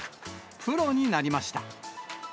プロになりました。